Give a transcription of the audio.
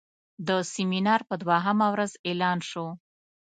د سیمینار په دوهمه ورځ اعلان شو.